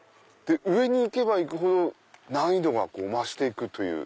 上に行けば行くほど難易度が増していくという。